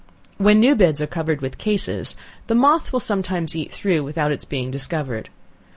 When new beds are covered with cases, the moth will sometimes eat through without its being discovered.